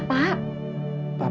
bapak diajar sama preman